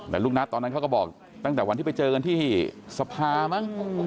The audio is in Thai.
แต่ลูกนัทตอนนั้นเขาก็บอกตั้งแต่วันที่ไปเจอกันที่สภามั้ง